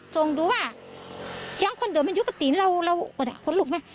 ส่งดูว่าเสียงคนเดินมันอยู่กระตินเราเราก็ได้คนลูกแม่